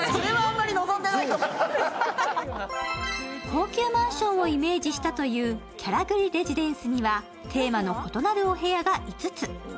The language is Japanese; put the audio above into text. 高級マンションをイメージしたというキャラグリレジデンスにはテーマの異なるお部屋が５つ。